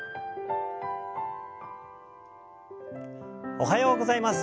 おはようございます。